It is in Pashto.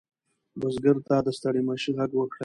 بزګر ته د ستړي مشي غږ وکړئ.